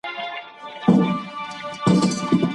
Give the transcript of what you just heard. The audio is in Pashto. ټولنیزې اړیکې د انسان ژوند ښکلی کوي.